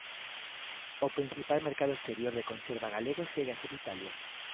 O principal mercado exterior da conserva galega segue a ser Italia.